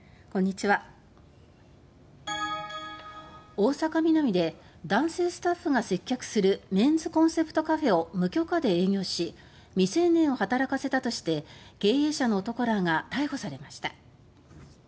大阪・ミナミで男性スタッフが接客するメンズコンセプトカフェを無許可で営業し未成年を働かせたとして経営者の男らが逮捕されました。